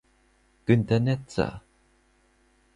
Günther Netzer